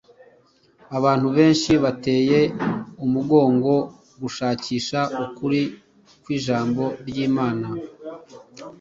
abantu benshi bateye umugongo gushakisha ukuri kw’ijambo ry’Imana